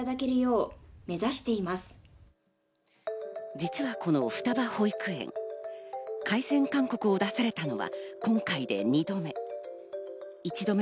実はこの双葉保育園、改善勧告を出されたのは今回で２度目。